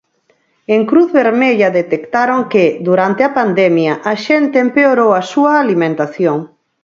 En Cruz Vermella detectaron que, durante a pandemia, a xente empeorou a súa alimentación.